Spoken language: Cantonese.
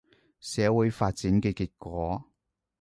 社會發展嘅結果